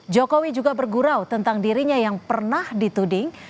jokowi juga bergurau tentang dirinya yang pernah dituding